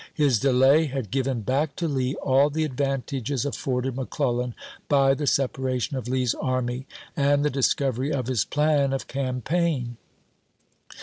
His delay had given back to Lee all the advantages afforded McClellan by the separa tion of Lee's army and the discovery of his plan of campaign.